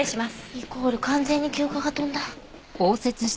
イコール完全に休暇が飛んだ。